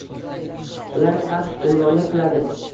Ular faqat hukmronlik qiladi.